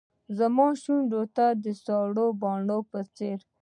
زما وشونډو ته د سرو پاڼو په څیر